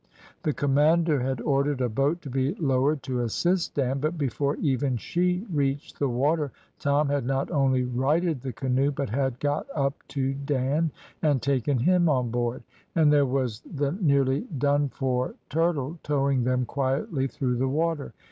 "The commander had ordered a boat to be lowered to assist Dan, but before even she reached the water Tom had not only righted the canoe, but had got up to Dan and taken him on board, and there was the nearly done for turtle towing them quietly through the water.